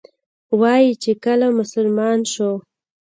وایي چې کله مسلمان شو.